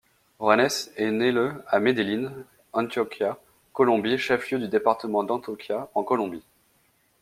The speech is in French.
Juanes est né le à Medellin, Antioquia, Colombie chef-lieu du département d'Antioquia en Colombie.